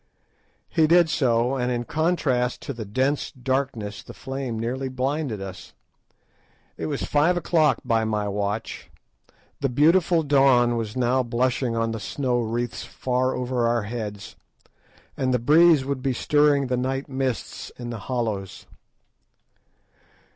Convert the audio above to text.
He did so, and in contrast to the dense darkness the flame nearly blinded us. It was five o'clock by my watch. The beautiful dawn was now blushing on the snow wreaths far over our heads, and the breeze would be stirring the night mists in the hollows.